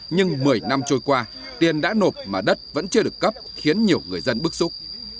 nhưng một mươi năm trôi qua tiền đã nộp mà đất vẫn chưa được cấp khiến nhiều người dân bức xúc